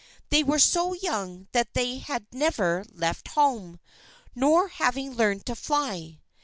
They were so young that they had never left home, not having learned to fly.